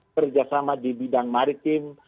kerjasama di bidang maritim